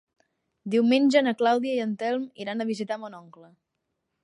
Diumenge na Clàudia i en Telm iran a visitar mon oncle.